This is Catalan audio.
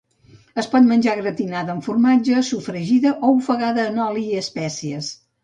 Es pot menjar gratinada amb formatge, sofregida o ofegada en oli i espècies.